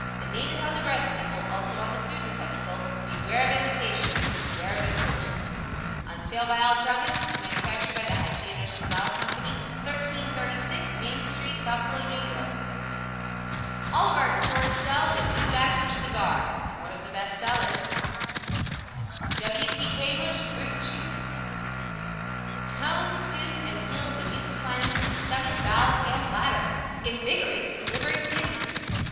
The name is on the breast nipple; also, on the food receptacle. Beware of imitations! Beware of infringements! On sale by all druggists. Manufactured by the HYGEIA NURSING BOTTLE CO. 1336 Main St. Buffalo, N. Y. All of our stores sell THE NEW BACHELOR CIGAR It's one of the best sellers W. P. Cabler's ROOT JUICE (Compound) TONES, SOOTHES and HEALS the Mucous Linings of the Stomach, Bowels and Bladder, INVIGORATES the Liver and Kidneys.